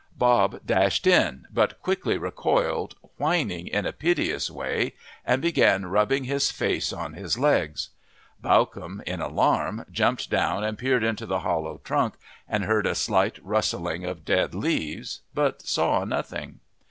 Bob dashed in, but quickly recoiled, whining in a piteous way, and began rubbing his face on his legs. Bawcombe in alarm jumped down and peered into the hollow trunk and heard a slight rustling of dead leaves, but saw nothing.